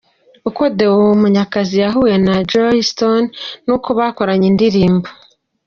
Uko Deo Munyakazi yahuye na Joss Stone n'uko bakoranye indirimbo.